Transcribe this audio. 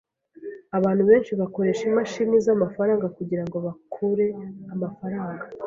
Abantu benshi bakoresha imashini zamafaranga kugirango bakure amafaranga.